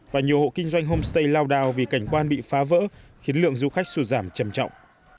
và nhiều hộ kinh doanh homestay lao đao vì cảnh quan bị phá vỡ khiến lượng du khách sụt giảm chầm trọng